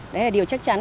đấy là điều chắc chắn